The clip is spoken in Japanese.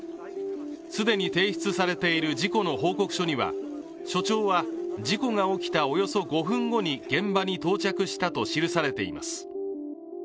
既に提出されている事故の報告書には署長は事故が起きたおよそ５分後に現場に到着したと記されています。